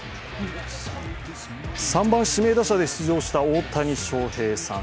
３番・指名打者で出場した大谷翔平さん。